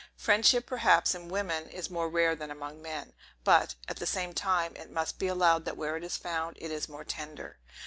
Friendship perhaps, in women, is more rare than among men; but, at the same time, it must be allowed that where it is found, it is more tender.